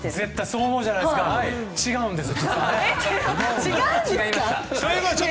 そう思うじゃないですか違うんです！